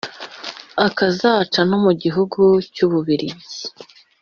akazaca no mu gihugu cy’Ububiligi